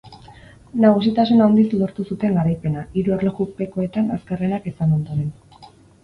Nagusitasun handiz lortu zuten garaipena, hiru erlojupekoetan azkarrenak izan ondoren.